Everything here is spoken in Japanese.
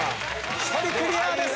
１人クリアです。